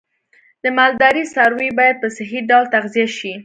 د مالدارۍ څاروی باید په صحی ډول تغذیه شي.